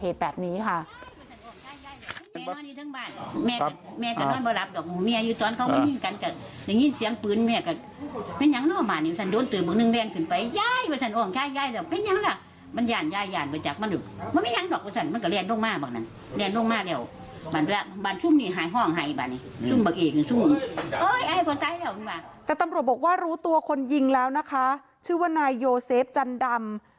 แต่ตำรวจบอกว่ารู้ตัวคนยิงแล้วนะคะชื่อว่านายโยเซฟจันดำ